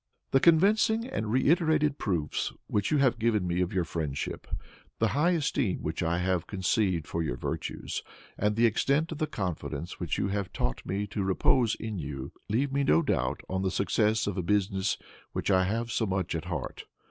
"The convincing and reiterated proofs which you have given me of your friendship, the high esteem which I have conceived for your virtues, and the extent of the confidence which you have taught me to repose in you, leave me no doubt on the success of a business which I have so much at heart.